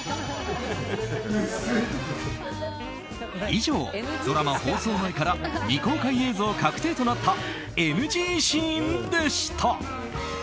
以上、ドラマ放送前から未公開映像確定となったＮＧシーンでした。